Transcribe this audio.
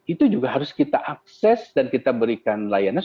itu juga harus kita akses dan kita berikan layanan